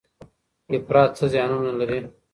افراط څه زیانونه لري؟